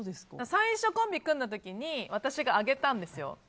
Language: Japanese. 最初コンビ組んだ時に私があげたんですよ。